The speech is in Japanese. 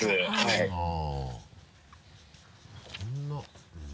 こんな。